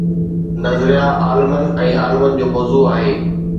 نظريه عالمن ۽ عالمن جو موضوع آهي.